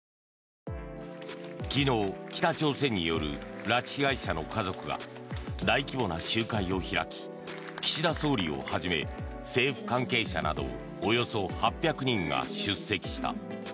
昨日、北朝鮮による拉致被害者の家族が大規模な集会を開き岸田総理をはじめ政府関係者などおよそ８００人が出席した。